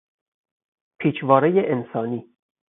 پیچوارهی انسانی